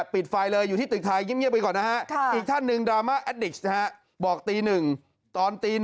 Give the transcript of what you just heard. เพลินเล่นเหรอประกาศอย่างนี้